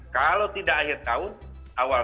kalau tidak akhir tahun awal